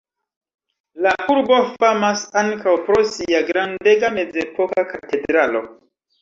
La urbo famas ankaŭ pro sia grandega mezepoka katedralo.